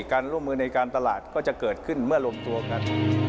การร่วมมือในการตลาดก็จะเกิดขึ้นเมื่อรวมตัวกัน